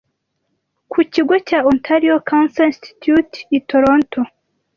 ku kigo cya Ontario Cancer Institute i Toronto